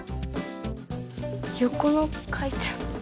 横の書いちゃった。